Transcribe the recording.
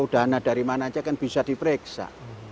dana dari mana saja kan bisa diperiksa